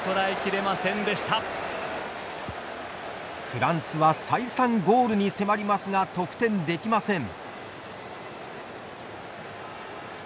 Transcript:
フランスは再三ゴールに迫りますが、得点できません。